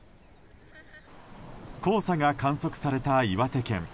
黄砂が観測された岩手県。